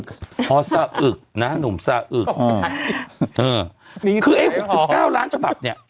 คิดว่าซะอึกอ๋อซะอึกนะหนุ่มซะอึกอ่อคือไอ้หกสิบเก้าร้านฉบับเนี้ย